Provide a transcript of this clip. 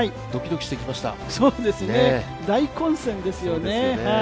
大混戦ですよね。